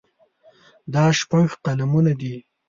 دا شپږ قلمونه دي.